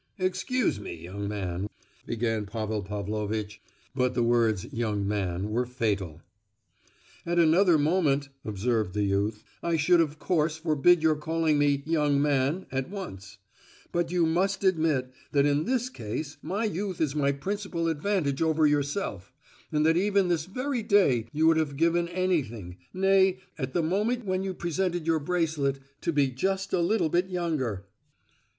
"Excuse me, young man," began Pavel Pavlovitch: but the words "young man" were fatal. "At any other moment," observed the youth, "I should of course forbid your calling me 'young man' at once; but you must admit that in this case my youth is my principal advantage over yourself, and that even this very day you would have given anything—nay, at the moment when you presented your bracelet—to be just a little bit younger."